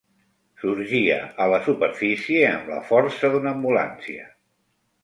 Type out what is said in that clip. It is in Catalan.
Sorgia a la superfície amb la força d'una ambulància.